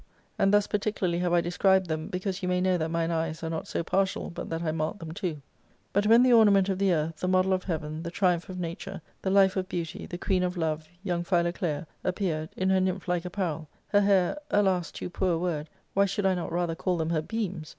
And thus particularly have I described them, because you may know that mine e^es are not so partial but that I marked them too. But when the ornament of the earth, the model of heaven, the triumph of nature, the / life of beauty, the queen of love, young Philoclea, appearedjV in her nymph like apparel, her hair (alas, too poor a word, why should 1 not rather call them her beams?)